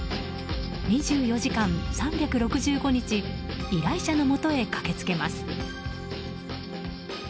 ２４時間３６５日依頼者のもとへ駆けつけます。